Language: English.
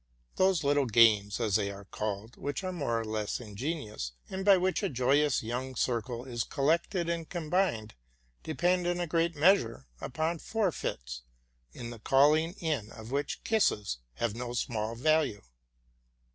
'Those little games, as they are called, which "ure more or less ingenious, and by which a joyous young circle is collected and combined, depend in a great measure upon forfeits, in the calling in of which kisses have no small value.